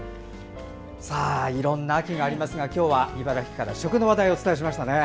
いろんな秋がありますが今日は茨城から食の話題をお伝えしましたね。